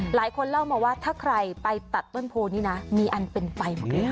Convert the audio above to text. หลายคนเล่ามาว่าถ้าใครไปตัดต้นโพลนี้นะ